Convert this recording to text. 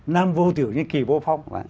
nam vô tiểu như kỳ vô phong